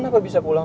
sampai jumpa lagi